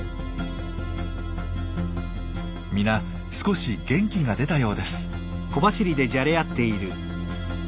皆少し元気が出たようです。